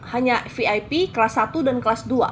hanya vip kelas satu dan kelas dua